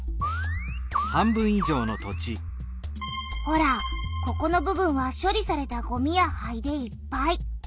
ほらここの部分は処理されたごみや灰でいっぱい。